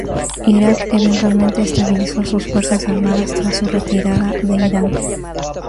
Irak eventualmente estabilizó sus fuerzas armadas tras su retirada de Irán.